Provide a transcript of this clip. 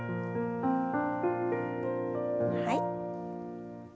はい。